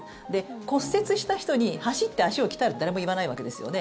骨折した人に走って足を鍛えろって誰も言わないわけですよね。